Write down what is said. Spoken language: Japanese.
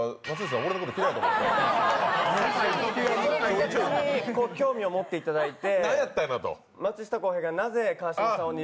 それが逆に興味を持っていただいて。